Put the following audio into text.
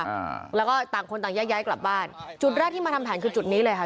อ่าแล้วก็ต่างคนต่างแยกย้ายกลับบ้านจุดแรกที่มาทำแผนคือจุดนี้เลยค่ะ